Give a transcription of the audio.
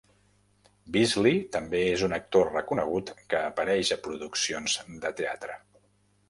Bisley també és un actor reconegut que apareix a produccions de teatre.